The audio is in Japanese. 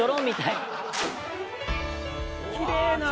「きれいな」